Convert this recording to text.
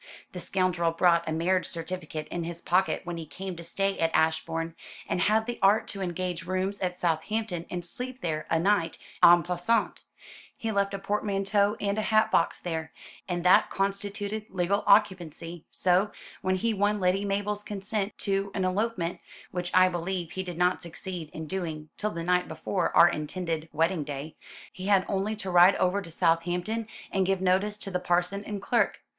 The scoundrel brought a marriage certificate in his pocket when he came to stay at Ashbourne, and had the art to engage rooms at Southampton and sleep there a night en passant. He left a portmanteau and a hat box there, and that constituted legal occupancy; so, when he won Lady Mabel's consent to an elopement which I believe he did not succeed in doing till the night before our intended wedding day he had only to ride over to Southampton and give notice to the parson and clerk.